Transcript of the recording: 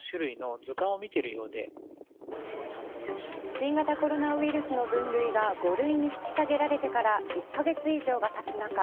新型コロナウイルスの分類が５類に引き下げられてから１カ月以上がたつ中